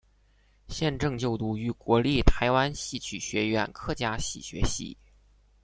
现正就读于国立台湾戏曲学院客家戏学系。